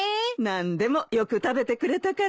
何でもよく食べてくれたからね。